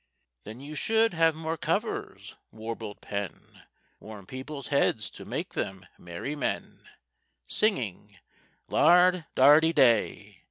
"Then you should have more covers," warbled Penn. "Warm people's heads to make them merry men— Singing Lard dardy day!